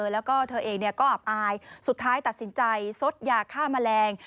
แล้วก็เธอเองก็อับอายสุดท้ายตัดสินใจซดยาฆ่าแมลง